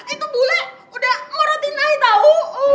itu bule udah mau rotiin i tau